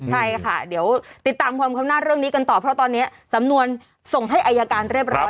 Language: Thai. ใช่ค่ะเดี๋ยวติดตามความเข้าหน้าเรื่องนี้กันต่อเพราะตอนนี้สำนวนส่งให้อายการเรียบร้อย